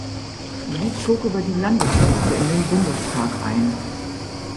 Sie zog über die Landesliste in den Bundestag ein.